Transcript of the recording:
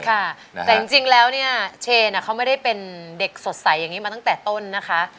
แต่จริงแล้วเนี่ยเชนเขาไม่ได้เป็นเด็กสดใสอย่างนี้มาตั้งแต่ต้นนะคะ